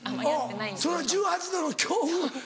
その１８℃の強風